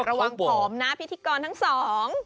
ระวังผอมนะพิธีกรทั้งสอง